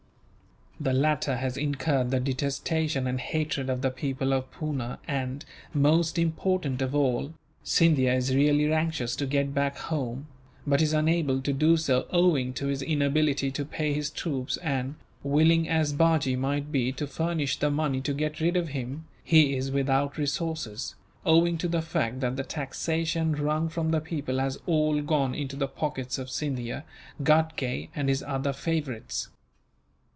The latter has incurred the detestation and hatred of the people of Poona and, most important of all, Scindia is really anxious to get back home, but is unable to do so owing to his inability to pay his troops and, willing as Bajee might be to furnish the money to get rid of him, he is without resources, owing to the fact that the taxation wrung from the people has all gone into the pockets of Scindia, Ghatgay, and his other favourites.